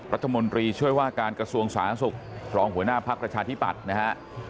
รัฐมนตรีช่วยว่าการกระทรวงสาธารณสุขรองหัวหน้าภักดิ์ประชาธิปัตย์นะฮะ